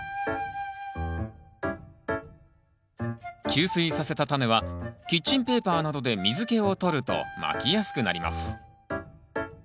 吸水させたタネはキッチンペーパーなどで水けを取るとまきやすくなります。